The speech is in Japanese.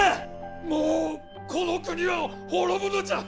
もうこの国は滅ぶのじゃ！